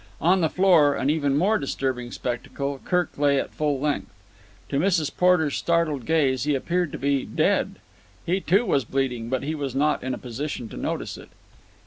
On the floor, an even more disturbing spectacle, Kirk lay at full length. To Mrs. Porter's startled gaze he appeared to be dead. He too, was bleeding, but he was not in a position to notice it.